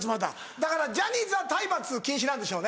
だからジャニーズは体罰禁止なんでしょうね。